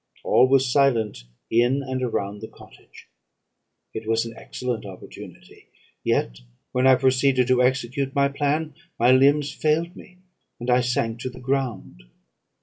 All was silent in and around the cottage: it was an excellent opportunity; yet, when I proceeded to execute my plan, my limbs failed me, and I sank to the ground.